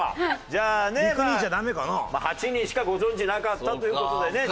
じゃあねまあ８人しかご存じなかったという事でね。